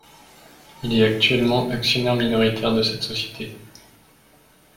Il est actuellement actionnaire minoritaire de cette société.